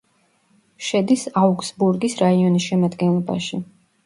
შედის აუგსბურგის რაიონის შემადგენლობაში.